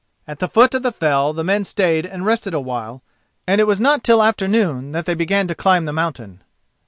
At the foot of the fell the men stayed and rested a while, and it was not till afternoon that they began to climb the mountain.